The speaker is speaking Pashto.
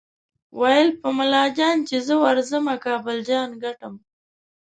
ویل به ملا جان چې زه ورځمه کابل جان ګټم